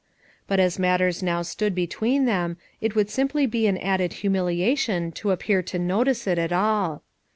But as matters now stood between them it would simply be an added humiliation to appear to notice it at all.